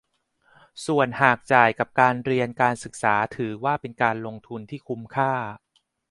ส่วนหากจ่ายกับการเรียนการศึกษาถือว่าเป็นการลงทุนที่คุ้มค่า